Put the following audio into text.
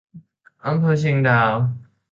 อำเภอเชียงดาว